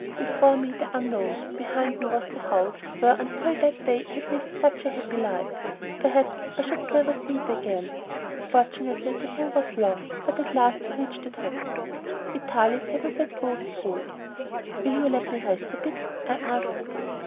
Before me the unknown, behind me was the house, where until that day I had lived such a happy life. Perhaps I should never see it again! Fortunately the hill was long, but at last we reached the top. Vitalis had not let go his hold. "Will you let me rest a bit?" I asked.